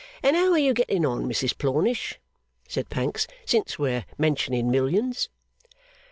'And how are you getting on, Mrs Plornish,' said Pancks, 'since we're mentioning millions?